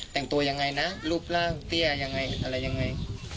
แต่งตัวยังไงนะรูปร่างเตี้ยยังไงอะไรยังไง